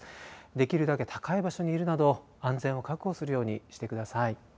できるだけ高い場所にいるなど安全を確保するようにしてください。